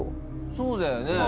そうだよね。